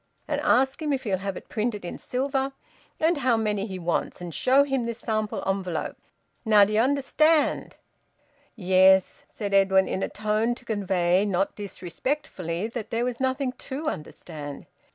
And ask him if he'll have it printed in silver, and how many he wants, and show him this sample envelope. Now, d'ye understand?" "Yes," said Edwin, in a tone to convey, not disrespectfully, that there was nothing to understand.